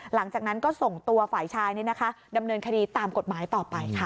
หลังจากนั้นก็ส่งตัวฝ่ายชายดำเนินคดีตามกฎหมายต่อไปค่ะ